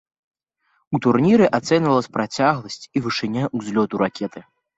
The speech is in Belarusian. У турніры ацэньвалася працягласць і вышыня ўзлёту ракеты.